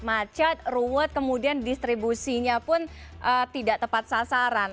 macet ruwet kemudian distribusinya pun tidak tepat sasaran